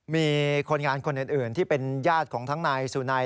มีคนงานคนอื่นที่เป็นญาติของทั้งนายสุนัย